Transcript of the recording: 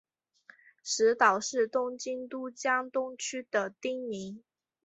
石岛是东京都江东区的町名。